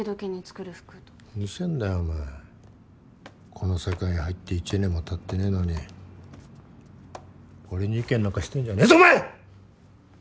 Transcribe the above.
この世界に入って１年もたってねえのに俺に意見なんかしてんじゃねえぞお前！